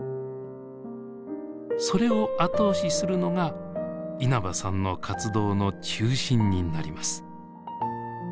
それを後押しするのが稲葉さんの活動の中心になります。